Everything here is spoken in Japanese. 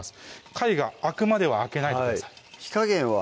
貝が開くまでは開けないでください火加減は？